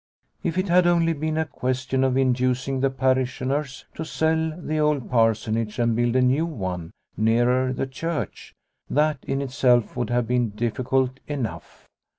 If it had only been a question of inducing the parishioners to sell the old Parsonage and build a new one nearer the church, that in itself would have been difficult enough.